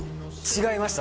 違いました